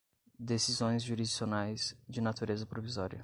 decisões jurisdicionais, de natureza provisória